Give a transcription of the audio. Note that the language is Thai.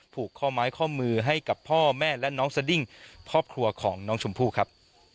ผูกข้อไม้ข้อมือให้กับพ่อแม่และน้องสดิ้งครอบครัวของน้องชมพู่ครับ